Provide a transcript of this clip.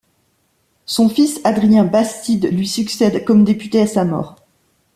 Son fils, Adrien Bastid, lui succède comme député à sa mort.